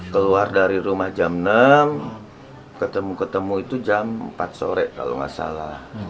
keluar dari rumah jam enam ketemu ketemu itu jam empat sore kalau nggak salah